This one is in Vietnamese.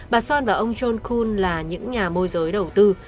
bà soan và ông john kuhn là những nhà môi giới đầu tư